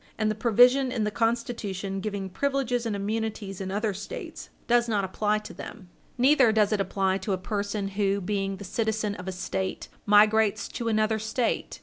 And the provision in the Constitution giving privileges and immunities in other States does not apply to them. Neither does it apply to a person who, being the citizen of a State, migrates to another State.